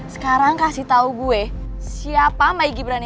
sekarang kasih tau gue siapa maigi ibran ini